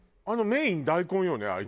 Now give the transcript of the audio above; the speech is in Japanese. あのメイン大根よね？